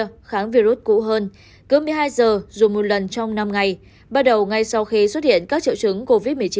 các kháng virus cũ hơn cứ một mươi hai giờ dù một lần trong năm ngày bắt đầu ngay sau khi xuất hiện các triệu chứng covid một mươi chín